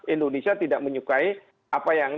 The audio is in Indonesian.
indonesia tidak menyukai apa yang